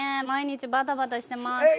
毎日バタバタしてます。